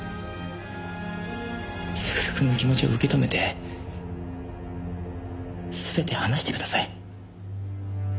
優くんの気持ちを受け止めて全て話してください。